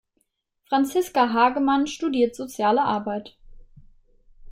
Franziska Hagemann studiert Soziale Arbeit.